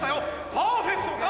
パーフェクトか？